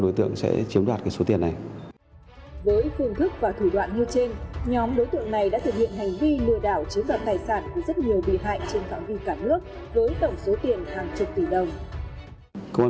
với tổng số tiền hàng chục tỷ đồng